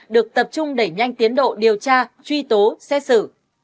được tập trung đẩy nhanh tiến độ điều tra truy tố xét xử